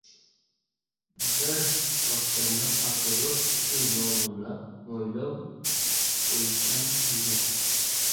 bar tortganida papirosning uchi lovillab, mo‘ylovi, o‘ychan yuzi